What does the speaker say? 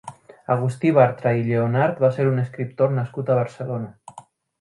Agustí Bartra i Lleonart va ser un escriptor nascut a Barcelona.